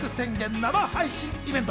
生配信イベント。